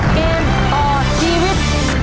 เกมต่อชีวิต